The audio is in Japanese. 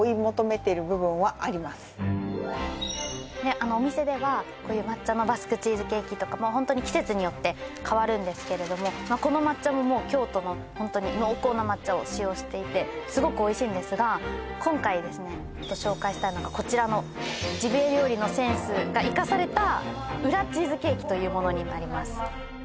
あのお店ではこういう抹茶のバスクチーズケーキとかもうホントに季節によって変わるんですけれどもこの抹茶ももう京都のホントに濃厚な抹茶を使用していてすごくおいしいんですが今回ですねご紹介したいのがこちらのジビエ料理のセンスが生かされた裏チーズケーキというものになります